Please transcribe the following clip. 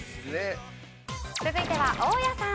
続いては大家さん。